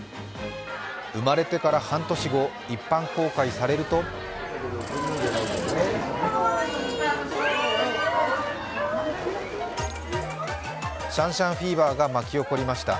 生まれてから半年後、一般公開されるとシャンシャンフィーバーが巻き起こりました。